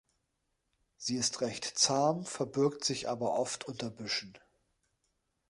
Sie ist recht zahm, verbirgt sich aber oft unter Büschen.